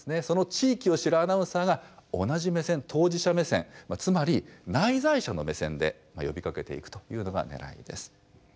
その地域を知るアナウンサーが同じ目線当事者目線つまり内在者の目線で呼びかけていくというのが狙いです。